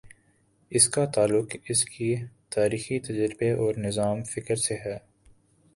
اس کا تعلق اس کے تاریخی تجربے اور نظام فکر سے ہے۔